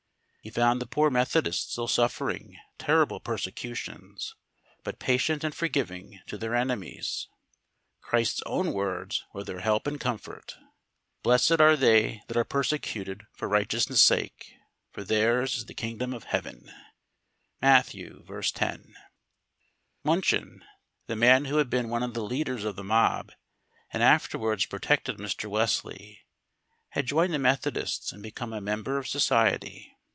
He found the poor Methodists still suffering terrible persecutions, but patient and forgiving to their enemies. Christ's own words were their help and comfort: "Blessed are they that are persecuted for righteousness' sake: for theirs is the kingdom of heaven" (Matt. v. 10). Munchin, the man who had been one of the leaders of the mob and afterwards protected Mr. Wesley, had joined the Methodists and become a member of society.